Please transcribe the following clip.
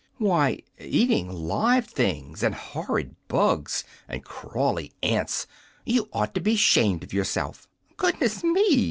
"Why, eating live things, and horrid bugs, and crawly ants. You ought to be 'SHAMED of yourself!" "Goodness me!"